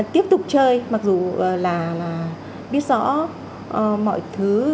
tiếp tục chơi mặc dù là biết rõ mọi thứ